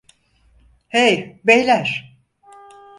Hey, beyler!